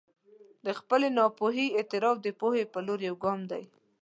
د خپلې ناپوهي اعتراف د پوهې په لور یو ګام دی.